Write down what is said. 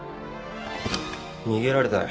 逃げられたよ。